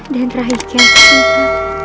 dan rai ketika